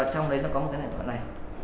trong đấy có một hệ thống này